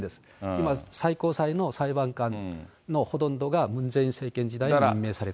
今、最高裁の裁判官のほとんどが、ムン・ジェイン政権時代に任命された。